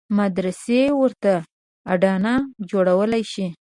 مدرسې ورته اډانه جوړولای شي.